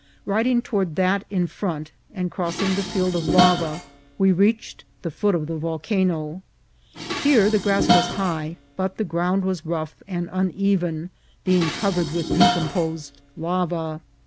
Hiding toward that in front, and crossing the field of lava, we reached the foot of the volcano. Here the grass was high, but the ground was rough and uneven, being covered with decomposed lava.